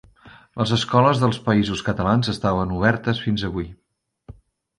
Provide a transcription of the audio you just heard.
Les escoles dels Països Catalans estaven obertes fins avui